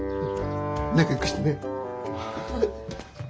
仲よくしてね。